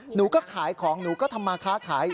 หนูก็ขายของหนูก็ทำมาค้าขาย